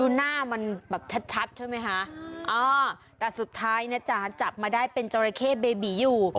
หน้ามันแบบชัดใช่ไหมคะแต่สุดท้ายนะจ๊ะจับมาได้เป็นจราเข้เบบีอยู่